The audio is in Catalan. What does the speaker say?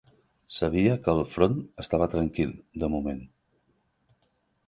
Sabia que el front estava tranquil, de moment